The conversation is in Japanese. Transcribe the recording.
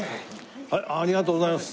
ありがとうございます。